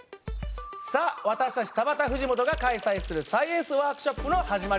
さあ私たち田畑藤本が開催するサイエンスワークショップの始まりです。